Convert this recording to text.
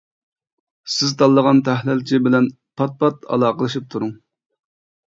سىز تاللىغان تەھلىلچى بىلەن پات-پات ئالاقىلىشىپ تۇرۇڭ!